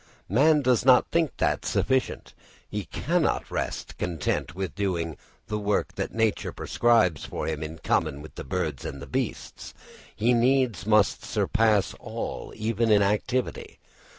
Man does not think that sufficient; he cannot rest content with only doing the work that nature prescribes for him in common with the birds and beasts. He needs must surpass all, even in activity.